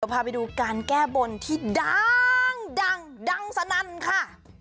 เดี๋ยวพาไปดูการแก้บนที่ดังดังดังสนั่นค่ะ